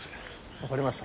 分がりました。